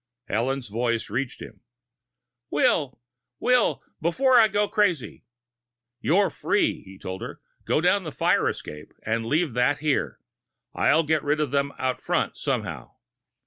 Ellen's voice reached him. "Will! Will, before I go crazy...." "You're free," he told her. "Go down the fire escape and leave that here. I'll get rid of them out front somehow."